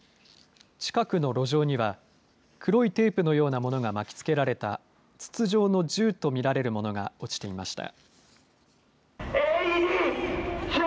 近くの路上には、黒いテープのようなものが巻きつけられた、筒状の銃と見られるものが落ちていました。